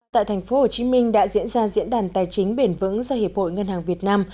tại thành phố hồ chí minh đã diễn ra diễn đàn tài chính biển vững do hiệp hội ngân hàng việt nam